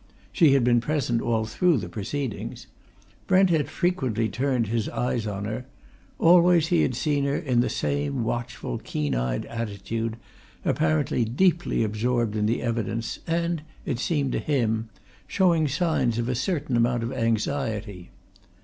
She had been present all through the proceedings. Brent had frequently turned his eyes on her; always he had seen her in the same watchful, keen eyed attitude, apparently deeply absorbed in the evidence, and, it seemed to him, showing signs of a certain amount of anxiety.